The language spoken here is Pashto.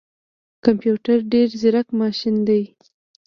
کمپيوټر ډیر ځیرک ماشین دی